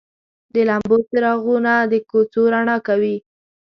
د لمبو څراغونه د کوڅو رڼا کوي.